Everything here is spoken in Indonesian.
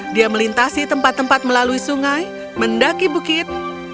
dia melintasi tempat tempat melalui sungai mendaki bukit